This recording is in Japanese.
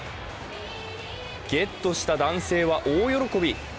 ゲットした男性は大喜び。